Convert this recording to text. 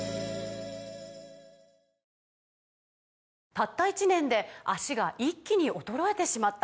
「たった１年で脚が一気に衰えてしまった」